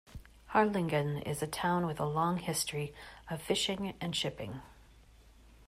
Harlingen is a town with a long history of fishing and shipping.